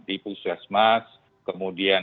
di pusat mas kemudian